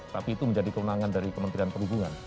tapi itu menjadi kewenangan dari kementerian perhubungan